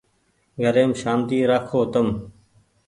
گھريم سآنتي رآکو تم ۔